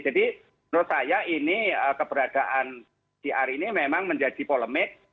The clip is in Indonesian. jadi menurut saya keberadaan di hari ini memang menjadi polemik